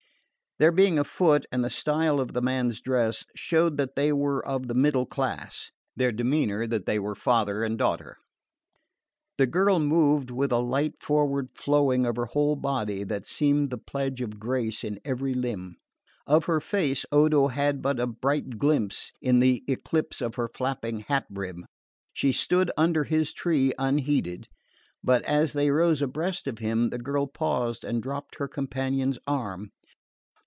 Their being afoot, and the style of the man's dress, showed that they were of the middle class; their demeanour, that they were father and daughter. The girl moved with a light forward flowing of her whole body that seemed the pledge of grace in every limb: of her face Odo had but a bright glimpse in the eclipse of her flapping hat brim. She stood under his tree unheeded; but as they rose abreast of him the girl paused and dropped her companion's arm.